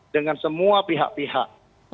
dengan semua pihak pihak